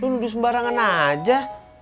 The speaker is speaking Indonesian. lu disembarangan aja